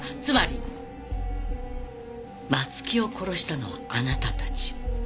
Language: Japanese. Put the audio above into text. つまり松木を殺したのはあなたたち。